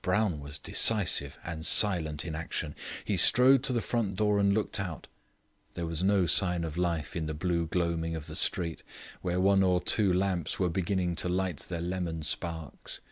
Brown was decisive and silent in action. He strode to the front door and looked out. There was no sign of life in the blue gloaming of the street, where one or two lamps were beginning to light their lemon sparks.